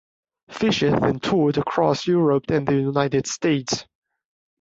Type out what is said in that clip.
Fischer then toured across Europe and the United States.